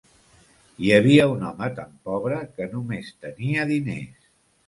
Hi havia un home tan pobre, que només tenia diners.